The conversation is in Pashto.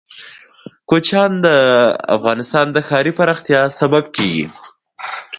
کوچیان د افغانستان د ښاري پراختیا سبب کېږي.